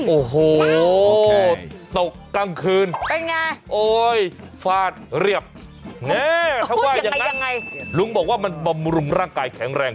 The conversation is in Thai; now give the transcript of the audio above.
โอ้โหตกกลางคืนเป็นไงโอ๊ยฟาดเรียบแม่ถ้าว่าอย่างนั้นลุงบอกว่ามันบำรุงร่างกายแข็งแรง